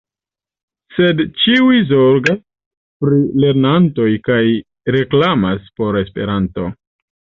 Sed ĉiuj zorgas pri lernantoj kaj reklamas por Esperanto.